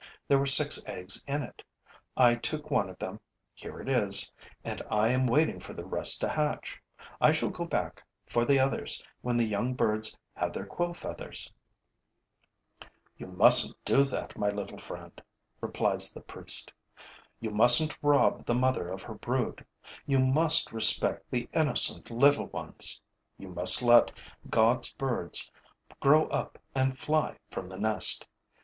There were six eggs in it. I took one of them here it is and I am waiting for the rest to hatch. I shall go back for the others when the young birds have their quill feathers. 'You mustn't do that, my little friend,' replies the priest. 'You mustn't rob the mother of her brood; you must respect the innocent little ones; you must let God's birds grow up and fly from the nest.